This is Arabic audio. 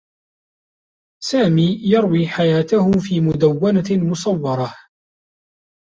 سامي يروي حياته في مدوّنة مصوّرة.